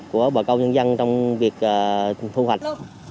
của bà con nhân dân trong việc thu hoạch